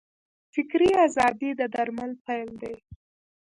فکري ازادي د درمل پیل دی.